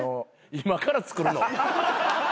今から作るの？